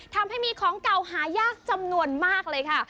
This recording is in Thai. ทำให้มีของเก่าหายากจำนวนมากเลยค่ะ